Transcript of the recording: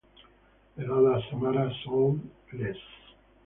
The Lada Samara sold less.